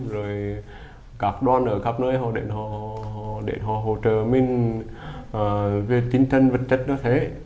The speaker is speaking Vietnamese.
rồi các đoàn ở khắp nơi họ đến họ hỗ trợ mình về tinh thần vật chất nó thế